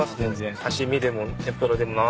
刺し身でも天ぷらでも何でも。